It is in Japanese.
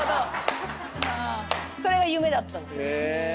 それが夢だった。